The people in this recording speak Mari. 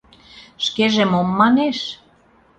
— Шкеже мом манеш?